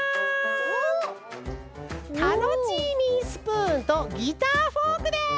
タノチーミースプーンとギターフォークです！